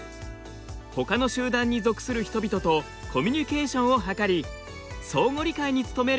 ほかの集団に属する人々とコミュニケーションを図り相互理解に努めることが重要です。